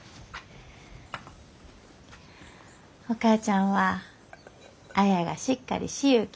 お母ちゃんは綾がしっかりしゆうき